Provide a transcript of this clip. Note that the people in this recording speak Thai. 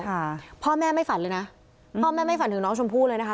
ค่ะพ่อแม่ไม่ฝันเลยนะพ่อแม่ไม่ฝันถึงน้องชมพู่เลยนะคะ